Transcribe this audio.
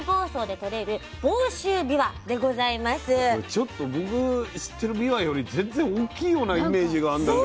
これちょっと僕知ってるびわより全然大きいようなイメージがあるんだけど。